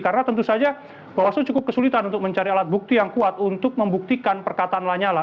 karena tentu saja bawaslu cukup kesulitan untuk mencari alat bukti yang kuat untuk membuktikan perkataan lanyala